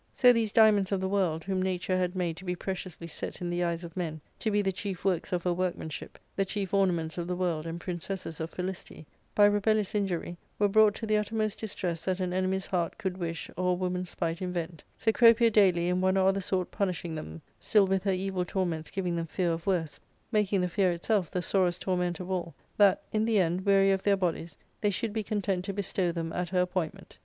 So these diamonds of the world — whom nature had made to be preciously set in the eyes of men, to be the chief works of her workmanship, the chief ornaments of the world and princesses of felicity — ^by rebellious injury were brought to the uttermost distress that an enemy's heart could wish or a woman's spite invent ; Cecropia daily in one or other sort punishing them, still with her evil torments giving them fear of worse, making the fear itself the sorest torment of all, that, in the end, weary of their bodies, they should be content to bestow them at her appointment.